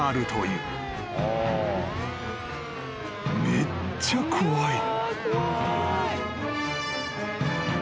［めっちゃ怖い］